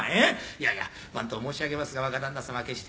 「いやいや番頭申し上げますが若旦那様は決してね